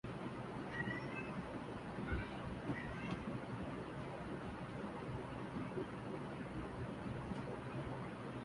যখন মোটের উপর বৈজ্ঞানিক মহলে সম্পুর্ণভাবে ধরে নিয়েছে মানুষ কর্তৃক বৈশ্বিক উষ্ণায়ন হচ্ছে।